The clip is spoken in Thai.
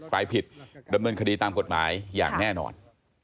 ใครผิดดำเนินคดีตามกฎหมายอย่างแน่นอน